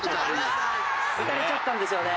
打たれちゃったんですよね。